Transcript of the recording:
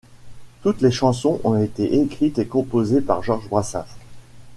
Toutes les chansons ont été écrites et composées par Georges Brassens.